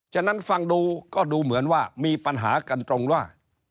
ฉะนั้นฟังดูก็ดูเหมือนว่ามีปัญหากันตรงว่า